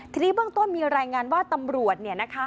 ทีนี้เบื้องต้นมีรายงานว่าตำรวจเนี่ยนะคะ